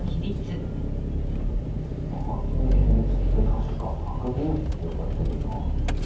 葉書の比率って確か白銀比って呼ばれてるよなあ。